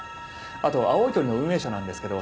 あと青い鳥の運営者なんですけど